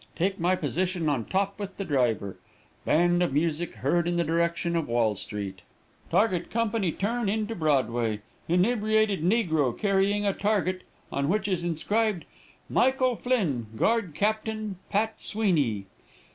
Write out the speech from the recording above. Take my position on top with the driver. Band of music heard in the direction of Wall street. Target company turn into Broadway. Inebriated negro carrying a target, on which is inscribed, 'Michael Flinn Guard, Capt. Pat. Sweeny.'